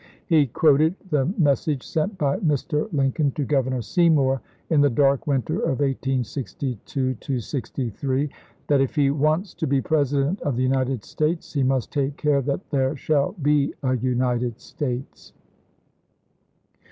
He quoted the mes sage sent by Mr. Lincoln to Governor Seymour in the dark winter of 1862 63, " that if he wants to be President of the United States, he must take care that there shall be a United States."